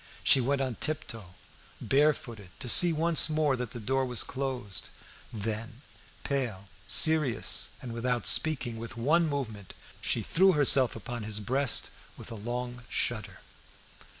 She went on tiptoe, barefooted, to see once more that the door was closed, then, pale, serious, and, without speaking, with one movement, she threw herself upon his breast with a long shudder.